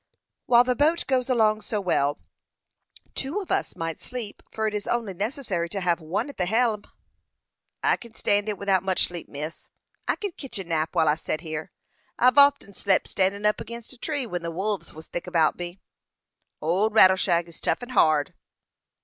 "While the boat goes along so well, two of us might sleep, for it is only necessary to have one at the helm." "I kin stand it without much sleep, miss. I kin ketch a nap while I set here. I've often slep standin' up agin a tree when the wolves was thick about me. Old Rattleshag is tough and hard."